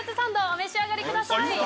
お召し上がりください。